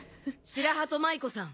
白鳩舞子さん。